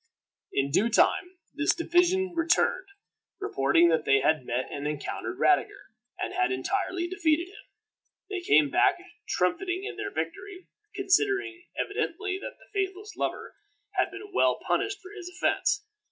In due time this division returned, reporting that they had met and encountered Radiger, and had entirely defeated him. They came back triumphing in their victory, considering evidently, that the faithless lover had been well punished for his offense.